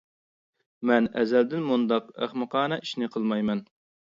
مەن ئەزەلدىن مۇنداق ئەخمىقانە ئىشنى قىلمايمەن.